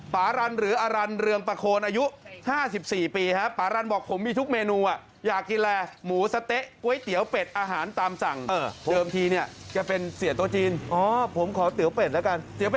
ปารันหรืออารันเรืองประโคนอายุ๕๔ปีฮะ